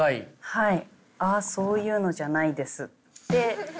はい。